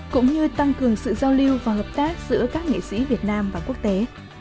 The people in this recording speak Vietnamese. cũng như tăng cường sự giao lưu và hợp tác giữa các nghệ sĩ việt nam và quốc tế